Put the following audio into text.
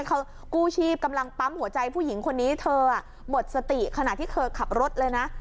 เขากู้ชีพกำลังปั๊มหัวใจผู้หญิงคนนี้เธอหมดสติขณะที่เธอขับรถเลยนะ